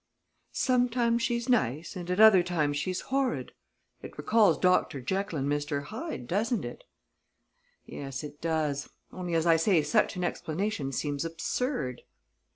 "Sometimes she's nice and at other times she's horrid. It recalls 'Dr. Jekyll and Mr. Hyde,' doesn't it?" "Yes, it does; only, as I say, such an explanation seems absurd."